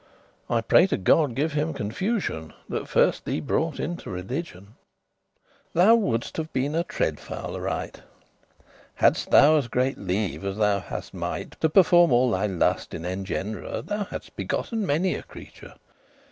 I pray to God give him confusion That first thee brought into religion. Thou would'st have been a treade fowl* aright; *cock Hadst thou as greate leave, as thou hast might, To perform all thy lust in engendrure,* *generation, begettting Thou hadst begotten many a creature.